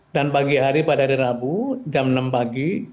dan pagi hari pada hari rabu jam enam pagi